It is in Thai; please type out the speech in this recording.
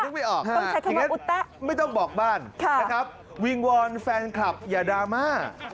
อุ๊ตะต้องใช้คำว่าอุ๊ตะไม่ต้องบอกบ้านนะครับวิงวอนแฟนคลับอย่าดราม่า